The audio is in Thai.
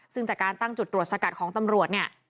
ซึ่งจากการตั้งจุดตรวจสกัดของตำรวจเนี่ย